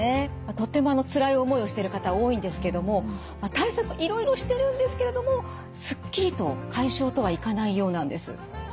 とってもつらい思いをしている方多いんですけども対策いろいろしてるんですけれどもスッキリと解消とはいかないようなんです。